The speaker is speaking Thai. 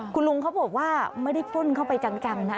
คุณลุงเขาบอกว่าไม่ได้ปล้นเข้าไปจังนะ